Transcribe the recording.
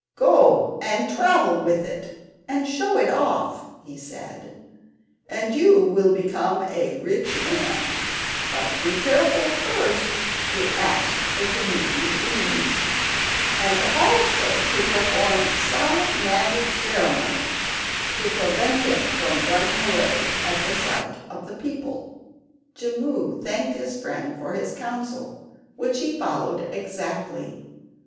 "Go and travel with it, and show it off," said he, "and you will become a rich man; but be careful first to ask the tanuki's leave, and also to perform some magic ceremonies to prevent him from running away at the sight of the people." Jimmu thanked his friend for his counsel, which he followed exactly.